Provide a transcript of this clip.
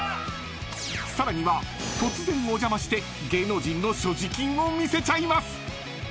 ［さらには突然お邪魔して芸能人の所持金を見せちゃいます］